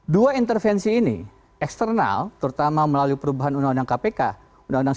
dua intervensi ini eksternal terutama melalui perubahan undang undang kpk undang undang sembilan belas